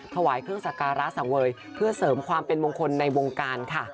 ถวายเครื่องสักการะสังเวยเพื่อเสริมความเป็นมงคลในวงการค่ะ